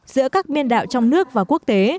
giữa các biên đạo trong nước và quốc tế